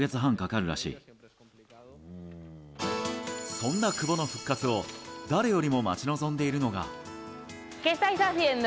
そんな久保の復活を誰よりも待ち望んでいるのが。